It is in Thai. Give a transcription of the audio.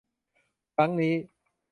ครั้งนี้